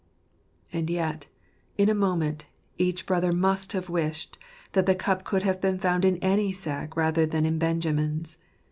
And yet, in a moment, each brother must have wished that the cup could have been found in any sack rather than in Benjamin's.